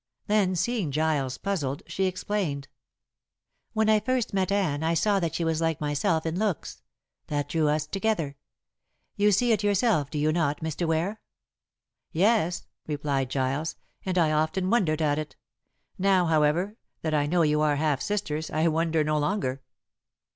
Then seeing Giles puzzled, she explained, "When I first met Anne I saw that she was like myself in looks. That drew us together. You see it yourself, do you not, Mr. Ware?" "Yes," replied Giles, "and I often wondered at it. Now, however, that I know you are half sisters, I wonder no longer."